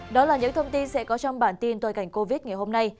đó là những thông tin sẽ có trong bản tin tôi cảnh covid ngày hôm nay